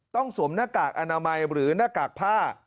สวมหน้ากากอนามัยหรือหน้ากากผ้า